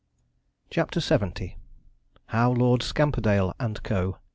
CHAPTER LXX HOW LORD SCAMPERDALE AND CO.